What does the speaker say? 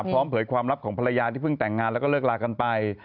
เผยความลับของภรรยาที่เพิ่งแต่งงานแล้วก็เลิกลากันไป